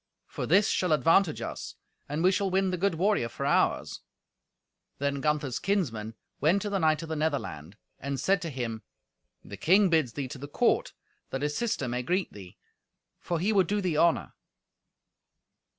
For this shall advantage us, and we shall win the good warrior for ours." Then Gunther's kinsmen went to the knight of the Netherland, and said to him, "The king bids thee to the court that his sister may greet thee, for he would do thee honour."